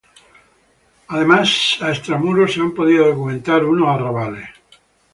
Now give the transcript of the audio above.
Por otro lado, a extramuros se han podido documentar unos arrabales.